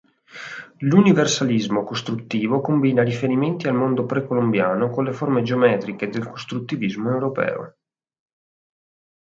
L'universalismo costruttivo combina riferimenti al mondo precolombiano con le forme geometriche del costruttivismo europeo.